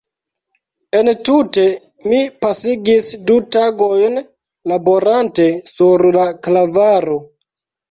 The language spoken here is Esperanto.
Entute mi pasigis du tagojn laborante sur la klavaro.